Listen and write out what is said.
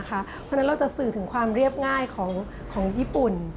เพราะฉะนั้นเราจะสื่อถึงความเรียบง่ายของญี่ปุ่น